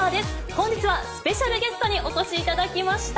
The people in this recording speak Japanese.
本日はスペシャルゲストにお越しいただきました。